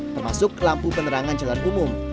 termasuk lampu penerangan jalan umum